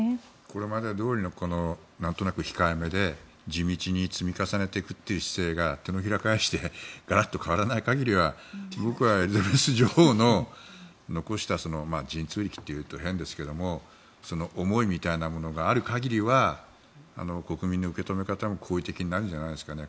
これまでどおりのなんとなく控えめで地道に積み重ねていくという姿勢が手のひらを返してガラッと変わらない限りは僕はエリザベス女王の残した神通力というと変ですが思いみたいなものがある限りは国民の受け止め方も好意的になるんじゃないですかね。